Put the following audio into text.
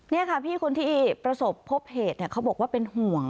นี่ค่ะพี่คนที่ประสบพบเหตุเขาบอกว่าเป็นห่วง